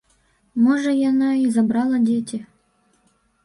Можа яна і забрала дзеці.